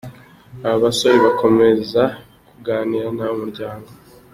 Aba basore bakomeza kuganira na umuryango.